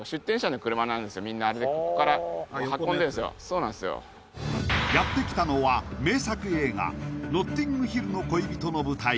そうなんですよやってきたのは名作映画「ノッティングヒルの恋人」の舞台